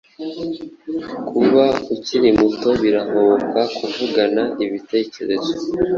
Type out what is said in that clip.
Kuba ukiri muto birahoboka kuvugana ibitekerezo